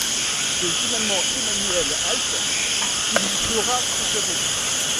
C'est finalement Emmanuelle Alt qui lui sera préférée.